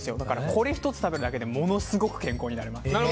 これ１つ食べるだけでものすごく健康になれます。